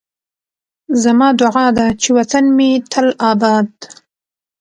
زما دعا ده چې وطن مې تل اباد